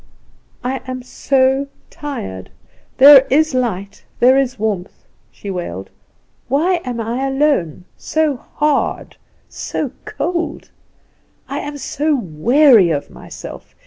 "I am so tired. There is light, there is warmth," she wailed; "why am I alone, so hard, so cold? I am so weary of myself!